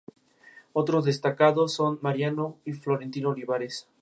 Otros destacados son Mariano Florentino Olivares.